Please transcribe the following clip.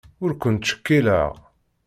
Ur kent-ttcekkileɣ.